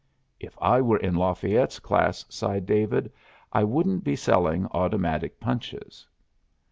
"If I were in Lafayette's class," sighed David, "I wouldn't be selling automatic punches."